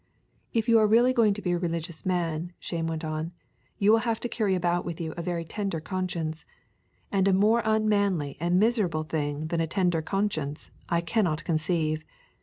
If you are really going to be a religious man, Shame went on, you will have to carry about with you a very tender conscience, and a more unmanly and miserable thing than a tender conscience I cannot conceive.